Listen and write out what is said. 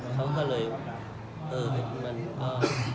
เขาเลยเออมันก็